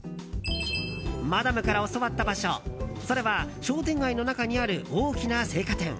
マダムから教わった場所それは商店街の中にある大きな青果店。